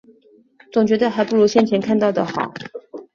总觉得还不如先前看到的好